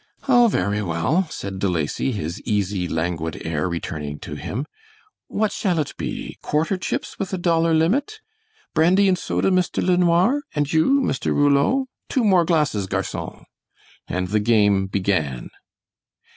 "Oh, very well," said De Lacy, his easy, languid air returning to him. "What shall it be quarter chips with a dollar limit? Brandy and soda, Mr. LeNoir? And you, Mr. Rouleau? Two more glasses, garcon," and the game began.